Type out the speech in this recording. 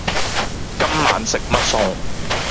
今晚食乜餸